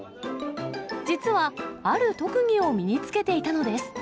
実はある特技を身につけていたのです。